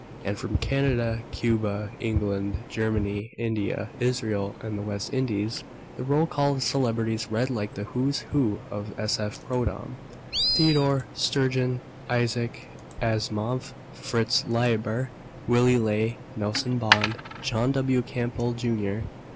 And from Canada, Cuba, England, Germany, India, Israel and the West Indies. The roll call of celebrities read like the Who's Who of S.F. Prodom: Theodore Sturgeon, Isaac Asimov, Fritz Leiber, Willy Ley, Nelson Bond, John W. Campbell Jr.